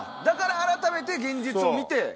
だから改めて現実を見て。